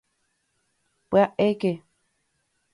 ¡Pya'éke!